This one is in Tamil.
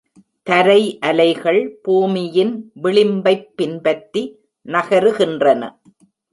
தரை அலைகள் பூமியின் விளிம்பைப் பின்பற்றி நகருகின்றன.